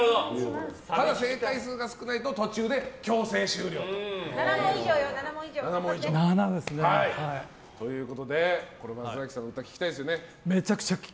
ただ正解数が少ないと途中で強制終了。ということで、松崎さんの歌聴きたいですよね。